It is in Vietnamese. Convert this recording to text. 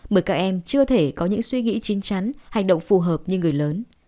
bởi các em chưa thể có những suy nghĩ chính chắn hành động phù hợp như người lớn